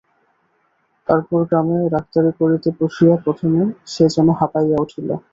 তারপর গ্রামে ডাক্তারি করিতে বসিয়া প্রথমে সে যেন হাঁপাইয়া উঠিল।